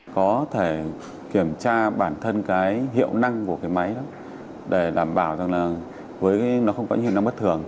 có thể kiểm tra bản thân cái hiệu năng của cái máy đó để đảm bảo rằng là với nó không có những hiệu năng bất thường